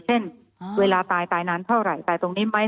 เช่นเวลาตายตายนานเท่าไหร่ตายตรงนี้ไหม